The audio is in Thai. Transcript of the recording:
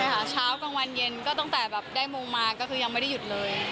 กลางวันเย็นก็ตั้งแต่ได้โมงมาก็คือยังไม่ได้หยุดเลย